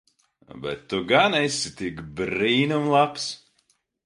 Bet tu gan esi tik brīnum labs.